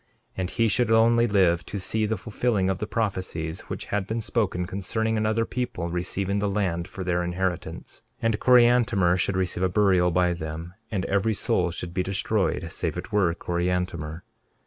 And he should only live to see the fulfilling of the prophecies which had been spoken concerning another people receiving the land for their inheritance; and Coriantumr should receive a burial by them; and every soul should be destroyed save it were Coriantumr.